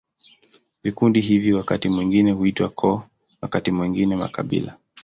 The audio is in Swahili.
Vikundi hivi wakati mwingine huitwa koo, wakati mwingine makabila.